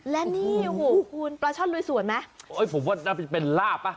แล้วนี่ปลาชอดลุยสวนไหมผมว่าน่าจะเป็นลาป่ะ